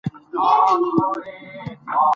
موږ د موزیم لیدلو ته لاړو.